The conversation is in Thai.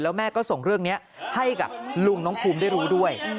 แล้วแม่ก็ส่งเรื่องนี้ให้กับลุงน้องภูมิได้รู้ด้วย